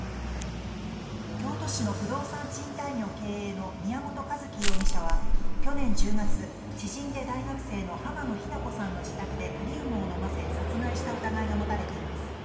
京都市の不動産賃貸業経営の宮本一希容疑者は去年１０月、知人で大学生の濱野日菜子さんの自宅でタリウムを飲ませ殺害した疑いが持たれています。